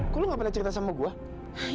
kok lo nggak pernah cerita sama gue